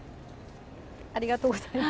ありがとうございます。